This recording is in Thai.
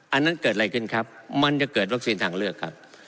อันนั้นเกิดอะไรขึ้นครับมันจะเกิดวัคซีนทางเลือกครับ